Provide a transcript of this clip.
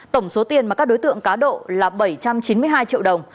tổng số tiền mà các đối tượng cá độ là bảy trăm chín mươi hai triệu đồng